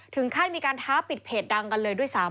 ถึงขั้นมีการท้าปิดเพจดังกันเลยด้วยซ้ำ